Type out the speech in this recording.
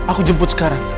aku jemput sekarang